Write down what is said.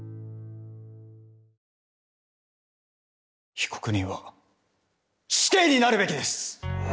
被告人は死刑になるべきです。